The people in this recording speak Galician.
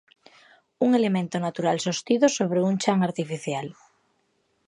Un elemento natural sostido sobre un chan artificial.